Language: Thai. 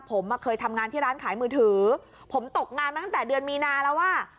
ผมอ่ะเคยทำงานที่ร้านขายมือถือผมตกงานมาตั้งแต่เดือนมีนาแล้วอ่ะ